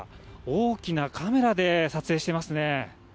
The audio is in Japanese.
大きなカメラで撮影していますね。